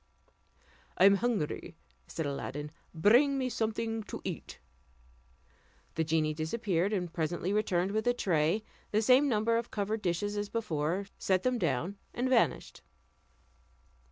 "I am hungry," said Aladdin, "bring me something to eat." The genie disappeared, and presently returned with a tray, the same number of covered dishes as before, set them down, and vanished.